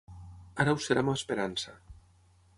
Ara ho serà amb esperança.